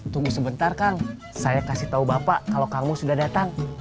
tunggu sebentar kang saya kasih tahu bapak kalau kamu sudah datang